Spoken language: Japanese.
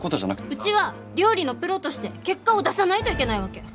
うちは料理のプロとして結果を出さないといけないわけ。